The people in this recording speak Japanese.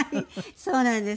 そうなんです。